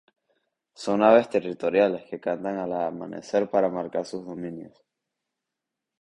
Son aves territoriales que cantan al amanecer para marcar sus dominios.